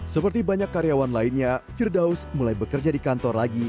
seperti banyak karyawan lainnya firdaus mulai bekerja di kantor lagi